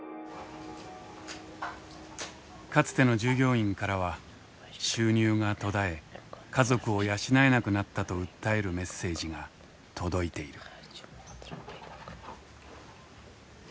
かつての従業員からは収入が途絶え家族を養えなくなったと訴えるメッセージが届いている。